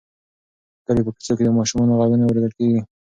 د کلي په کوڅو کې د ماشومانو غږونه اورېدل کېږي.